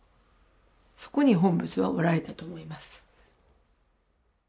そこに本仏はおられたと思います。